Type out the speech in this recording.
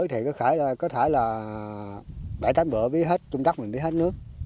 thì có thể là bảy tám bữa bí hết trong đất mình bí hết nước